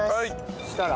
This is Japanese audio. そしたら？